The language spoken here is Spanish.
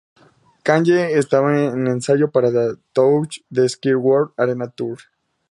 Kanye estaba en ensayo para su Touch the Sky World Arena Tour.